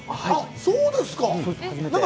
そうですか。